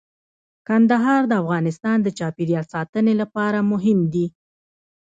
کندهار د افغانستان د چاپیریال ساتنې لپاره مهم دي.